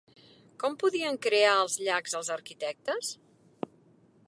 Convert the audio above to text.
Com podien crear els llacs els arquitectes?